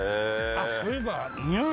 あっそういえば。